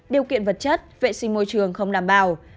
điều kiện vật chất vệ sinh môi trường không đảm bảo